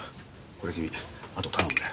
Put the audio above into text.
これ君あと頼むね。